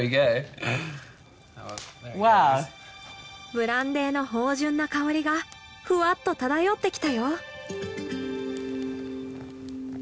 ブランデーの芳醇な香りがフワッと漂ってきたよ。